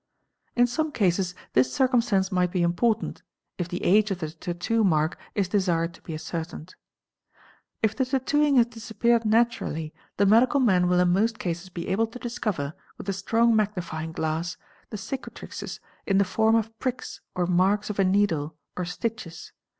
In some cases this circumstance might be important, if the age of the tattoo mark is desired to be ascertained. If the tattooing has disappeared naturally the medical man will in most "cases be able to discover, with a strong magnifying glass, the cicatrices in the form of pricks or marks of a needle, or stitches.